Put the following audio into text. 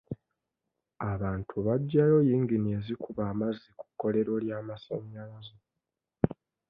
Abantu bagyayo yingini ezikuba amazzi ku kkolero ly'amasanyalaze.